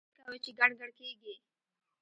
ته څه کوې چې ګڼ ګڼ کېږې؟!